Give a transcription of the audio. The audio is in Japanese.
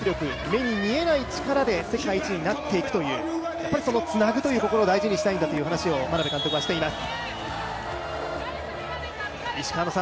目に見えない力で世界一になっていくという「ツナグ」というところが大事なんだという話を眞鍋監督はしています。